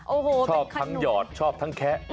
โอ้โหชอบทั้งหยอดชอบทั้งแคะ